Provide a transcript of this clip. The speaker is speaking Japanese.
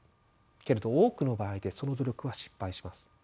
けれど多くの場合でその努力は失敗します。